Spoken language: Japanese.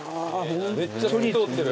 めっちゃ透き通ってる。